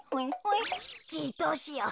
じいどうしよう。